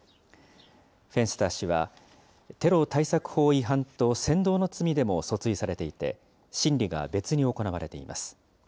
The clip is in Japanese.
フェンスター氏は、テロ対策法違反と扇動の罪でも訴追されていて、審理が別に行われています。